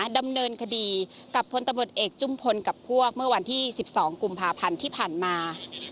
ดำเนินคดีกับพลตำรวจเอกจุ้มพลกับพวกเมื่อวันที่๑๒กุมภาพันธ์ที่ผ่านมา